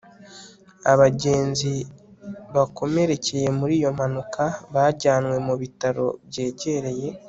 Abagenzi bakomerekeye muri iyo mpanuka bajyanywe mu bitaro byegereye